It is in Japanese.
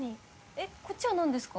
えっこっちは何ですか？